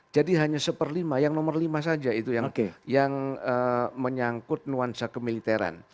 jadi hanya seperlima yang nomor lima saja itu yang menyangkut nuansa kemiliteran